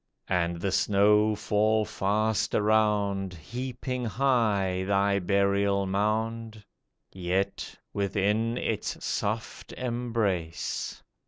And the snow fall fast around, Heaping high thy burial mound ; Yet, within its soft embrace.